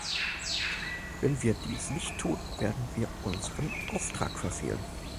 Wenn wir dies nicht tun, werden wir unseren Auftrag verfehlen.